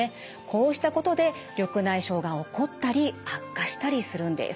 こうしたことで緑内障が起こったり悪化したりするんです。